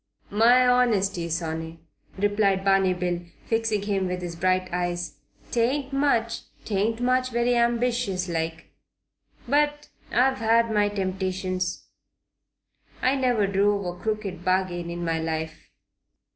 "My honesty, sonny," replied Barney Bill, fixing him with his bright eyes. "'Tain't much. 'Tain't very ambitious like. But I've had my temptations. I never drove a crooked bargain in my life."